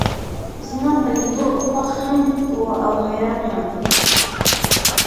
زما پۀ لیدو خوښ هم و او حیران هم.